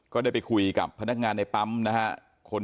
ก็ได้ไปคุยกับพนักงานในปั๊มคนที่อยู่ที่ปั๊ม